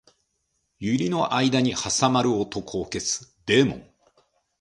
百合の間に挟まる男を消すデーモン